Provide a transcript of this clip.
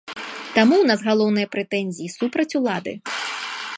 Таму ў нас галоўныя прэтэнзіі супраць улады.